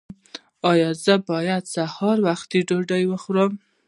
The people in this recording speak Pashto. ایا زه باید سهار وختي ډوډۍ وخورم؟